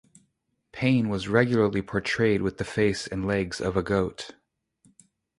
Pan was regularly portrayed with the face and legs of a goat.